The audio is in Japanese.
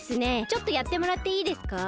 ちょっとやってもらっていいですか？